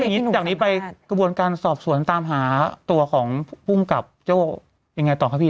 อย่างนี้ไปกระบวนการสอบสวนตามหาตัวของพุ่งกับเจ้าอย่างไรต่อครับพี่